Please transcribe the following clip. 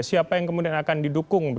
siapa yang kemudian akan didukung